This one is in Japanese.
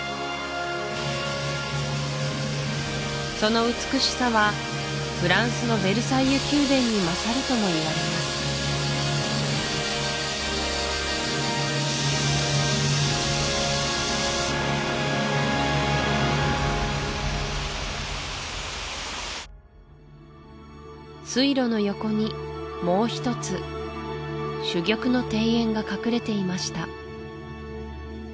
その美しさはフランスのヴェルサイユ宮殿に勝るともいわれます水路の横にもう一つ珠玉の庭園が隠れていました